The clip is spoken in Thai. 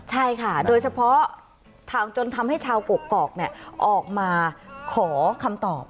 ใช่ค่ะโดยเฉพาะข่าวจนทำให้ชาวกกอกออกมาขอคำตอบ